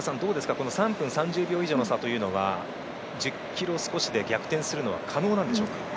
この３分３０秒以上の差というのは１０ｋｍ少しで逆転するのは可能なんでしょうか。